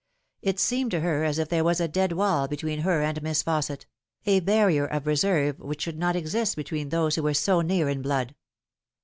It seemed to her as if there was a dead wall between her and Miss Fausset a barrier of reserve which should not exist between those who were so near in blood.